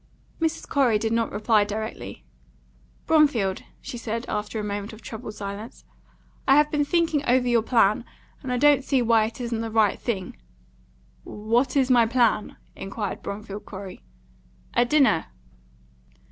Mrs. Corey did not reply directly. "Bromfield," she said, after a moment of troubled silence, "I have been thinking over your plan, and I don't see why it isn't the right thing." "What is my plan?" inquired Bromfield Corey. "A dinner."